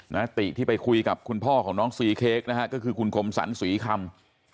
ติที่ไปคุยกับคุณพ่อของน้องซีเค้กนะฮะก็คือคุณคมสรรศรีคำ